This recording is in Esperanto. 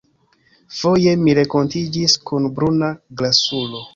Foje mi renkontiĝis kun bruna grasulo.